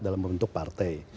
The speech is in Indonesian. dalam bentuk partai